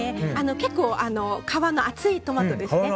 結構皮の厚いトマトですね。